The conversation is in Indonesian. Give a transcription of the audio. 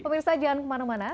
pemirsa jangan kemana mana